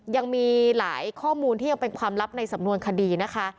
ยังมีหลายข้อมูลที่ยังเป็นความลับในสำนวนคดีนะคะ